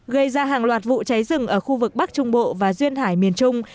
gây ra hàng loạt vụ cháy rừng ở khu vực bắc trung bộ và duyên hải miền trung